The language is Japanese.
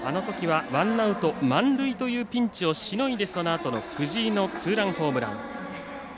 あのときはワンアウト満塁というピンチをしのいで、そのあとの藤井のツーランホームラン。